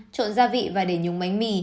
trộn gia vị và để nhúng bánh mì